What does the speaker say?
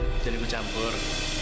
jangan ikut campur